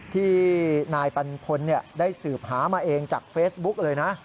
ที่นายปันพลได้สืบหามาเองจากเฟซบุ๊กเลยนะ